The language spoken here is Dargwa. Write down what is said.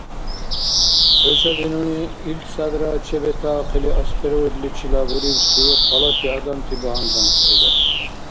ХӀушази нуни илцадра чебетаахъили астероидличила бурибси халати адамти багьандан сайра.